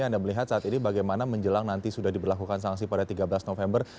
jadi anda melihat saat ini bagaimana menjelang nanti sudah diberlakukan sanksi pada tiga belas november